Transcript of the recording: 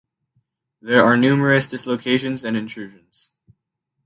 There are numerous dislocations and intrusions.